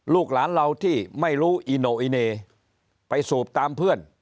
ลูกหลานเราที่ไม่รู้อีโนอิเนไปสูบตามเพื่อน